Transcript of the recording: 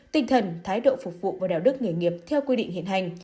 tinh thần thái độ phục vụ và đạo đức nghề nghiệp theo quy định hiện hành